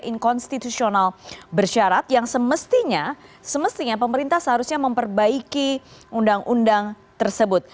inkonstitusional bersyarat yang semestinya semestinya pemerintah seharusnya memperbaiki undang undang tersebut